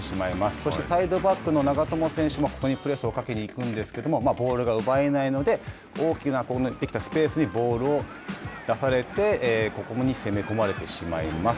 そして、サイドバックの長友選手もここにプレスをかけに行くんですけれども、ボールが奪えないので大きくできたスペースにボールを出されてここで攻め込まれてしまいます。